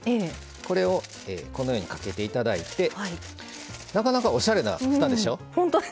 これを、このようにかけていただいてなかなかおしゃれなふたでしょ。